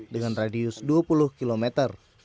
dengan radius dua puluh kilometer